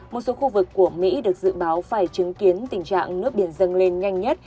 một số khu vực của mỹ được dự báo phải chứng kiến tình trạng nước biển dâng lên nhanh nhất